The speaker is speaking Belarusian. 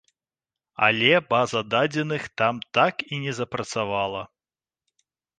Але база дадзеных там так і не запрацавала.